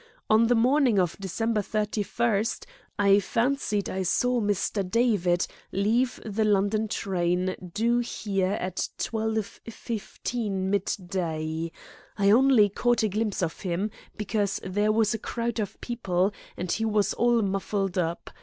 On the morning of December 31, I fancied I saw Mr. David leave the London train due here at 12.15 midday. I only caught a glimpse of him, because there was a crowd of people, and he was all muffled up.